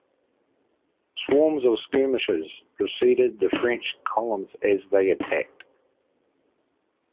Swarms of skirmishers preceded the French columns as they attacked.